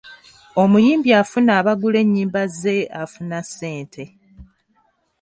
Omuyimbi afuna abagula ennyimba ze afuna ssente.